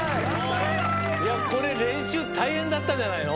いやこれ、練習大変だったんじゃないの？